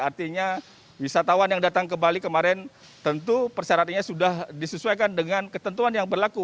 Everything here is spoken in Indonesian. artinya wisatawan yang datang ke bali kemarin tentu persyaratannya sudah disesuaikan dengan ketentuan yang berlaku